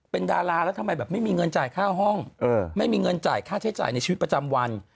เป็นดาราแล้วทำไมแบบไม่มีเงินจ่ายค่าห้องไม่มีเงินจ่ายค่าใช้จ่ายในชีวิตประจำวัน